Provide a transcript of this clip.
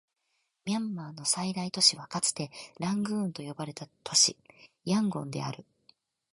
ミャンマーの最大都市はかつてラングーンと呼ばれた都市、ヤンゴンである